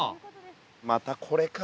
またこれか。